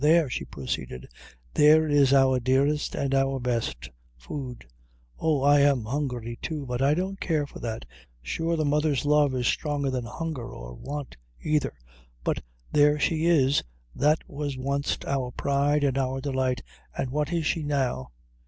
"There," she proceeded, "there is our dearest and our best food oh, I am hungry, too; but I don't care for that sure the mother's love is stronger than hunger or want either: but there she is, that was wanst our pride and our delight, an' what is she now?